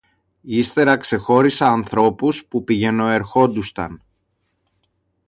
Ύστερα ξεχώρισα ανθρώπους που πηγαινοέρχουνταν